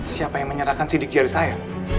siapa yang menyerahkan sidik jari saya